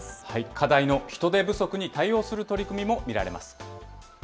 課題の人手不足に対応する取り組みも見られます。